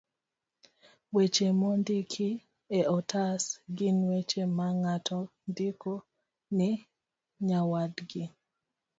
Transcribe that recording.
Weche mondiki e otas gin weche ma ng'ato ndiko ne nyawadgi